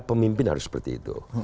pemimpin harus seperti itu